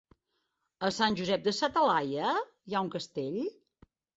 A Sant Josep de sa Talaia hi ha un castell?